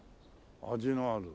味のある。